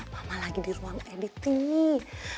mama lagi di ruang editing nih